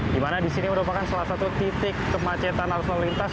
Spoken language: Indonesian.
dimana disini merupakan salah satu titik kemacetan arus lalu lintas